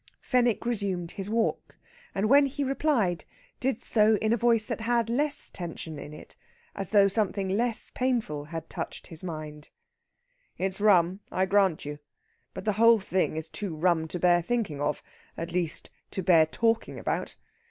Fenwick resumed his walk, and when he replied did so in a voice that had less tension in it, as though something less painful had touched his mind: "It's rum, I grant you. But the whole thing is too rum to bear thinking of at least, to bear talking about.